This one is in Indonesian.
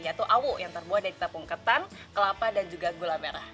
yaitu awu yang terbuat dari tepung ketan kelapa dan juga gula merah